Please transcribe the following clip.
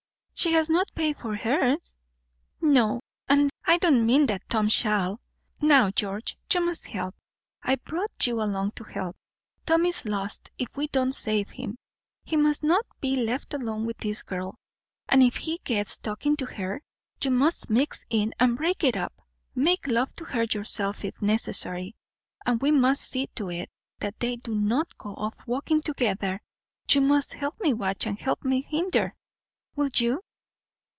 "She has not paid for hers." "No, and I don't mean that Tom shall. Now George, you must help. I brought you along to help. Tom is lost if we don't save him. He must not be left alone with this girl; and if he gets talking to her, you must mix in and break it up, make love to her yourself, if necessary. And we must see to it that they do not go off walking together. You must help me watch and help me hinder. Will you?"